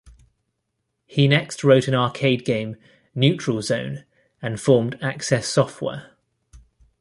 He next wrote an arcade game, "Neutral Zone", and formed Access Software.